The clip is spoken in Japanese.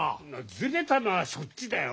ずれたのはそっちだよ。